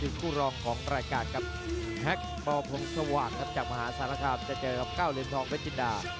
แฮปฟอร์ฟอร์ฟอร์มซัววังจากมหาศาลกรรมจะเจอกับเก้าเรียนทองวิจินดา